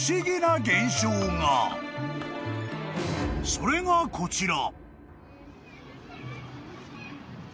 ［それがこちら］